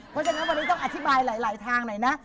เพราะฉะนั้นวันนี้ต้องอธิบายหลายทางหน่อยนะ